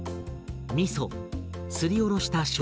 みそすりおろしたしょうが